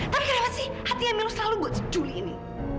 tapi kenapa sih hatinya milo selalu buat si julie ini